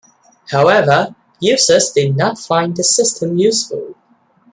However users did not find the system useful.